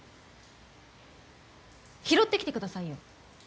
拾ってきて下さいよ。